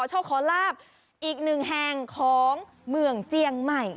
หนึ่งแห่งของเมืองเจียงใหม่